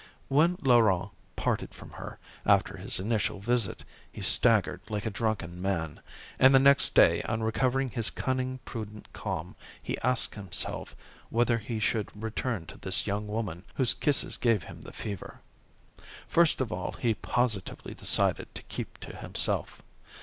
When Laurent parted from her, after his initial visit, he staggered like a drunken man, and the next day, on recovering his cunning prudent calm, he asked himself whether he should return to this young woman whose kisses gave him the fever. First of all he positively decided to keep to himself.